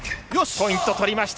ポイント取りました。